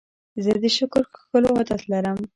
زه د شکر کښلو عادت لرم.